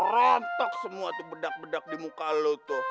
rontok semua tuh bedak bedak di muka lo tuh